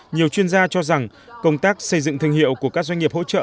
nhiều chuyên gia cho rằng công tác xây dựng thương hiệu của các doanh nghiệp hỗ trợ